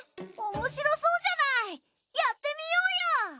おもしろそうじゃないやってみようよ！